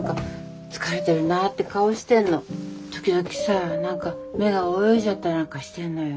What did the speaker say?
時々さ何か目が泳いじゃったりなんかしてんのよ。